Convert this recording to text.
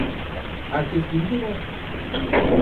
Herkes bindi mi?